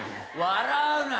笑うな。